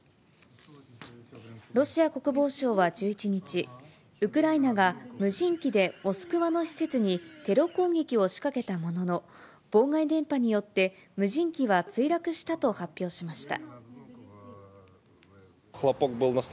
ロシア国防省は１１日、ウクライナが無人機でモスクワの施設にテロ攻撃を仕掛けたものの、妨害電波によって無人機は墜落したと発表しました。